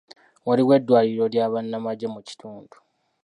Waliwo eddwaliro ly'abannamagye mu kitundu?